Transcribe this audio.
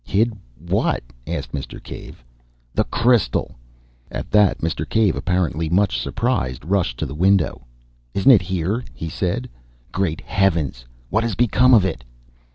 "Hid what?" asked Mr. Cave. "The crystal!" At that Mr. Cave, apparently much surprised, rushed to the window. "Isn't it here?" he said. "Great Heavens! what has become of it?"